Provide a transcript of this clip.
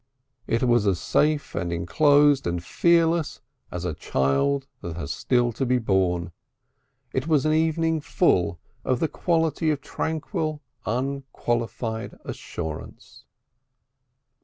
It was as safe and enclosed and fearless as a child that has still to be born. It was an evening full of the quality of tranquil, unqualified assurance.